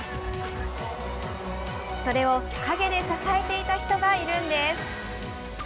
それを陰で支えていた人がいるんです。